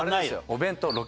お弁当。